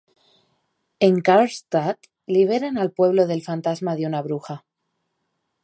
En Karlstadt liberan al pueblo del fantasma de una bruja.